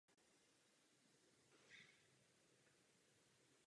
Mohlo by tomuto cíli posloužit zesílení našich transatlantických vztahů?